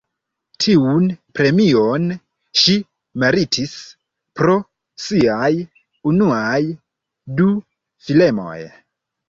Tiun premion ŝi meritis pro siaj unuaj du filmoj.